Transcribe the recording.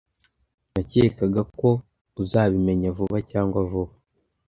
Nakekaga ko uzabimenya vuba cyangwa vuba.